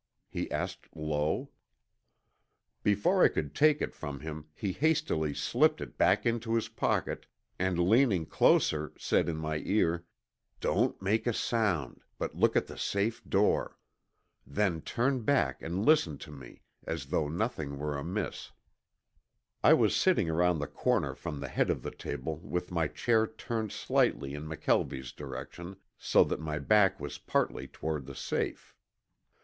he asked low. Before I could take it from him he hastily slipped it back into his pocket and leaning closer, said in my ear, "Don't make a sound, but look at the safe door. Then turn back and listen to me as though nothing were amiss." I was sitting around the corner from the head of the table with my chair turned slightly in McKelvie's direction so that my back was partly toward the safe.